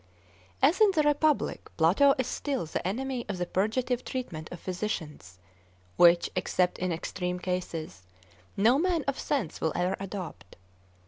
As in the Republic, Plato is still the enemy of the purgative treatment of physicians, which, except in extreme cases, no man of sense will ever adopt.